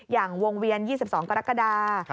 อย่างวงเวียน๒๒กรกฎา